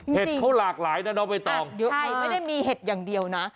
เขาหลากหลายนะน้องใบตองเยอะใช่ไม่ได้มีเห็ดอย่างเดียวนะ